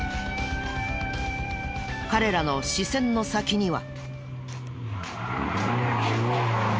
彼らの視線の先には。